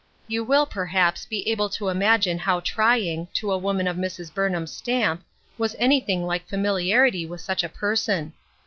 You will, perhaps, be able to imagine how trying, to a woman of Mrs. Burnham's stamp, was anything like familiarity with such a person.